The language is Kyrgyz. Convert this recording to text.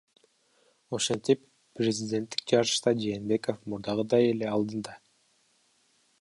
Ошентип, президенттик жарышта Жээнбеков мурдагыдай эле алдыда.